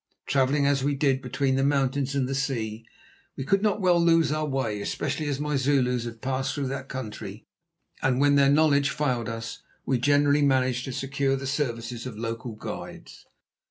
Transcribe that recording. Travelling as we did, between the mountains and the sea, we could not well lose our way, especially as my Zulus had passed through that country; and when their knowledge failed us, we generally managed to secure the services of local guides.